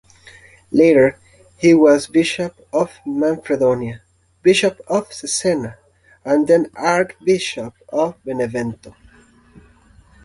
Later he was bishop of Manfredonia, bishop of Cesena and then archbishop of Benevento.